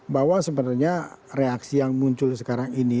bahwa sebenarnya reaksi yang muncul sekarang ini